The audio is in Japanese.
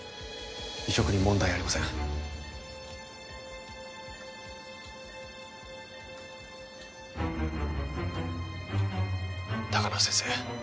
移植に問題ありません高輪先生